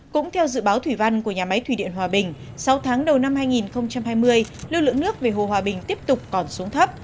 cũng theo dự báo thủy văn của nhà máy thủy điện hòa bình sau tháng đầu năm hai nghìn hai mươi lưu lượng nước về hồ hòa bình tiếp tục còn xuống thấp